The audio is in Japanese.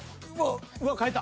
うわ変えた。